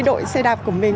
cái đội xe đạp của mình